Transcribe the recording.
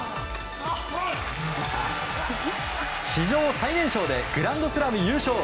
史上最年少でグランドスラム優勝。